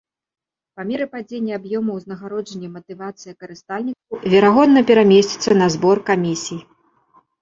Па меры падзення аб'ёму ўзнагароджання матывацыя карыстальнікаў, верагодна, перамесціцца на збор камісій.